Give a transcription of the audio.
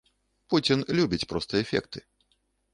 Пуцін любіць проста эфекты.